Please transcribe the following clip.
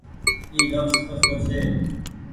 اي لڦز ڪسو ڇي۔